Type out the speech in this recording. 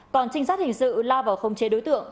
còn trinh sát hình sự la vào khống chế đối tượng